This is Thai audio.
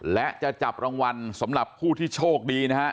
และจะจับรางวัลสำหรับผู้ที่โชคดีนะฮะ